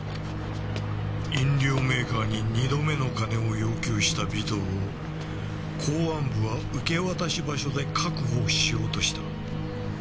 飲料メーカーに二度目の金を要求した尾藤を公安部は受け渡し場所で確保しようとした。